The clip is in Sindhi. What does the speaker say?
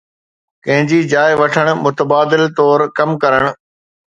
ڪنهن جي جاءِ وٺڻ ، متبادل طور ڪم ڪرڻ